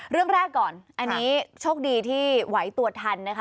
เรื่องแรกก่อนอันนี้โชคดีที่ไหวตัวทันนะคะ